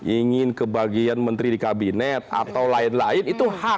ingin kebagian menteri di kabinet atau lain lain itu hak